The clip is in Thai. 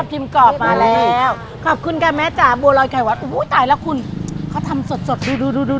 ฟินเว่อร์อะไรครับคุณแม่